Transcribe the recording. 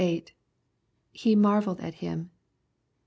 I. — [He marvelled at him.'